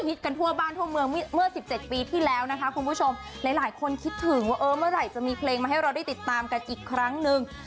กันทั่วบ้านทั่วเมืองเมื่อ๑๗ปีที่แล้วนะคะคุณผู้ชมหลายหลายคนคิดถึงว่าเออเมื่อไหร่จะมีเพลงมาให้เราได้ติดตามกันอีกครั้งหนึ่ง